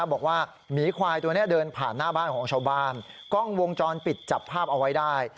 หมีควายตัวนี้เดินผ่านหน้าบ้านของชาวบ้านกล้องวงจรปิดจับภาพเอาไว้ได้